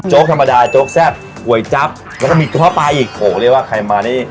ธรรมดาโจ๊กแซ่บก๋วยจั๊บแล้วก็มีโจ๊ะปลาอีกโหเรียกว่าใครมานี่